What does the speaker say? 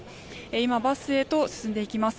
今、バスへと進んでいきます。